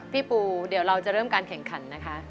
ปูเดี๋ยวเราจะเริ่มการแข่งขันนะคะ